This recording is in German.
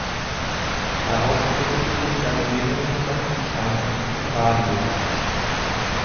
Daraus entwickelte sich seine Medienpräsenz im Fernsehen und im Radio.